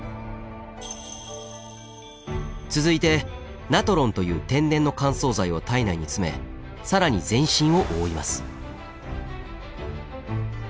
続いてナトロンという天然の乾燥剤を体内に詰め更に全身を覆います。